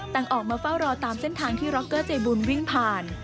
ต่างออกมาเฝ้ารอตามเส้นทางที่ร็อกเกอร์ใจบุญวิ่งผ่าน